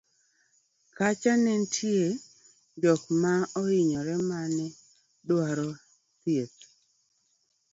kacha ne nitie jok ma ohinyore mane dwaro chieth